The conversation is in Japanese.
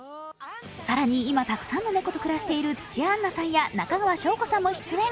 更に今たくさんの猫と暮らしている土屋アンナさんや中川翔子さんも出演。